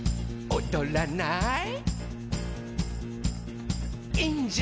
「おどらない？」